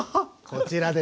こちらです。